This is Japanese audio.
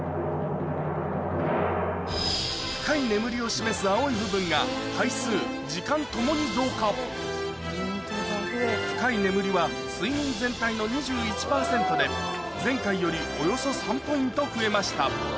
深い眠りを示す青い部分が回数時間ともに増加睡眠全体の前回よりおよそ３ポイント増えました